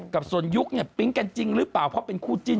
กับส่วนยุคเนี่ยปิ๊งกันจริงหรือเปล่าเพราะเป็นคู่จิ้น